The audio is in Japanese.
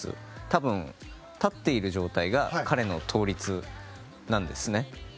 多分、立っている状態が彼の倒立なんですね。